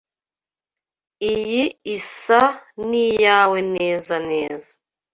Iyi isa niyawe neza neza.